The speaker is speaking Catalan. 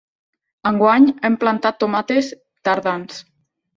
Enguany hem plantat tomàquets tardans.